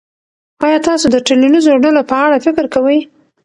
آیا تاسو د ټولنیزو ډلو په اړه فکر کوئ.